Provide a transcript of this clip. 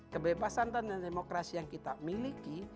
kebebasan dan demokrasi yang kita miliki